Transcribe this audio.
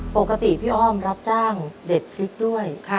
ปกติพี่อ้อมรับจ้างเด็ดพริกด้วย